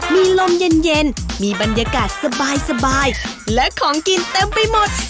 มีลมเย็นมีบรรยากาศสบายและของกินเต็มไปหมด